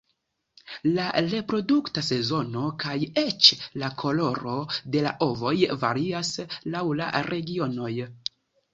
La reprodukta sezono kaj eĉ la koloro de la ovoj varias laŭ la regionoj.